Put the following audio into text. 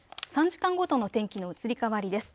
３時間ごとの天気の移り変わりです。